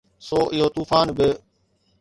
سو اهو طوفان به.